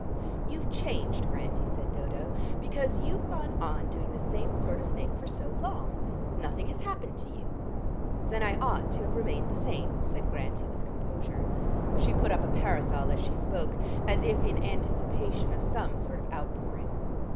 "You've changed, Grantie," said Dodo, "because you've gone on doing the same sort of thing for so long. Nothing has happened to you." "Then I ought to have remained the same," said Grantie with composure. She put up a parasol as she spoke, as if in anticipation of some sort of out pouring.